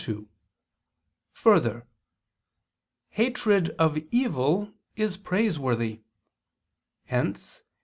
2: Further, hatred of evil is praiseworthy; hence (2 Macc.